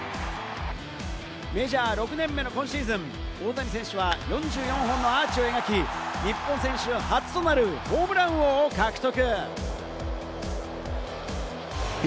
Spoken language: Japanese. メジャー６年目の今シーズン、大谷選手は４４本のアーチを描き、日本選手初となるホームラン王を獲得。